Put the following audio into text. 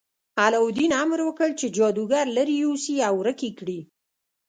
علاوالدین امر وکړ چې جادوګر لرې یوسي او ورک یې کړي.